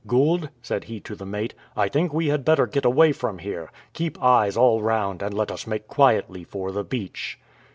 " Gould," said he to the n^ate, " I think we had better get away from here ; keep eyes all round, and let us make quietly for the beach."